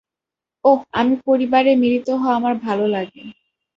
ওহ, আমি পরিবারের মিলিত হওয়া আমার ভালো লাগে।